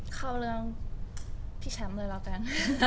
เข้าเรื่องพี่แชมป์เลยแล้วกัน